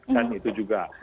kan itu juga